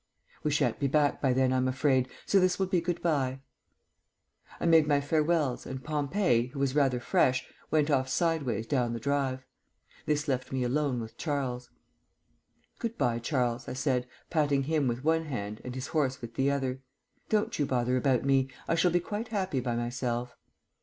"We shan't be back by then, I'm afraid, so this will be good bye." I made my farewells, and Pompey, who was rather fresh, went off sideways down the drive. This left me alone with Charles. "Good bye, Charles," I said, patting him with one hand and his horse with the other. "Don't you bother about me. I shall be quite happy by myself."